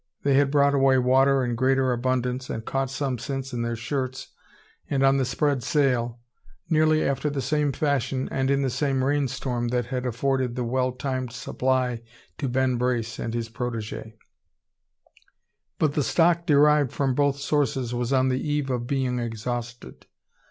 They had brought away water in greater abundance, and caught some since in their shirts, and on the spread sail, nearly after the same fashion and in the same rain storm that had afforded the well timed supply to Ben Brace and his protege. But the stock derived from both sources was on the eve of being exhausted.